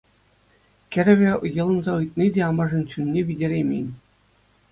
Кӗрӗвӗ йӑлӑнса ыйтни те амӑшӗн чунне витереймен.